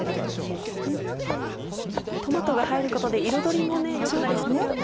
トマトが入ることで彩りも良くなりますよね。